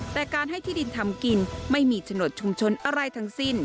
แต่การให้ที่ดินทำกินไม่มีโฉนดชุมชนอะไรทั้งสิ้น